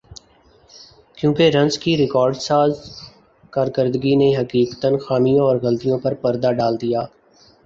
کیونکہ رنز کی ریکارڈ ساز کارکردگی نے حقیقتا خامیوں اور غلطیوں پر پردہ ڈال دیا